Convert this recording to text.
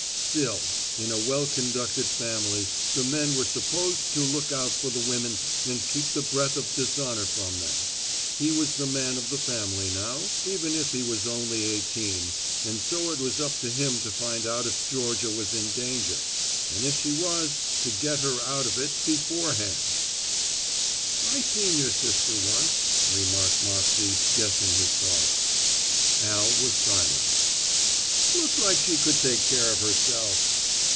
Still in a well conducted family the men were supposed to look out for the women and keep the breath of dishonor from them. He was the man of the family now, if he was only eighteen, and so it was up to him to find out if Georgia was in danger, and if she was, to get her out of it beforehand. "I seen your sister once," remarked Moxey, guessing his thoughts. Al was silent. "Looked like she could take care of herself."